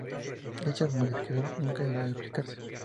Dicha modificación nunca llegó a aplicarse.